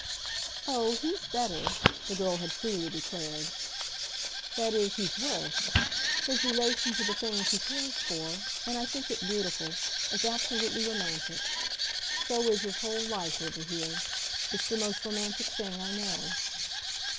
"Oh, he's better," the girl had freely declared "that is he's worse. His relation to the things he cares for and I think it beautiful is absolutely romantic. So is his whole life over here it's the most romantic thing I know."